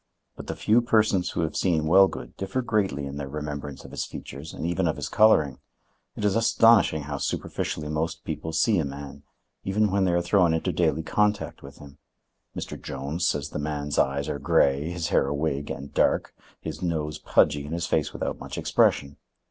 But the few persons who have seen Wellgood differ greatly in their remembrance of his features, and even of his coloring. It is astonishing how superficially most people see a man, even when they are thrown into daily contact with him. Mr. Jones says the man's eyes are gray, his hair a wig and dark, his nose pudgy, and his face without much expression.